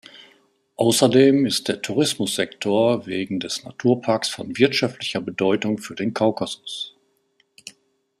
Außerdem ist der Tourismussektor wegen des Naturparks von wirtschaftlicher Bedeutung für den Kaukasus.